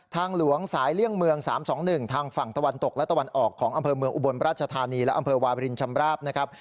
ทางหลวงสายเลี่ยงเมือง๓๒๑ทางฝั่งตะวันตกและตะวันออกของอำเภอเมืองอุบลราชธานีและอำเภอวาบรินชำราบนะครับ